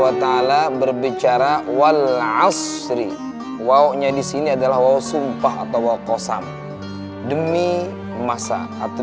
waalaikumsalam berbicara walasri wawnya disini adalah waw sumpah atau waw kosam demi masa atau